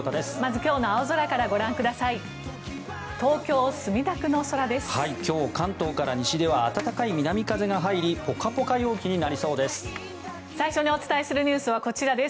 今日、関東から西では暖かい南風が入りポカポカ陽気になりそうです。